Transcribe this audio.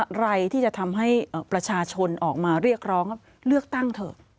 อะไรที่จะทำให้ประชาชนออกมาเรียกร้องเลือกตั้งเถอะ